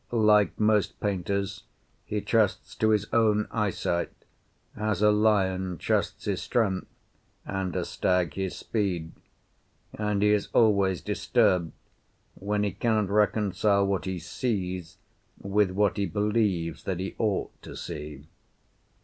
Like most painters, he trusts to his own eyesight, as a lion trusts his strength and a stag his speed, and he is always disturbed when he cannot reconcile what he sees with what he believes that he ought to see.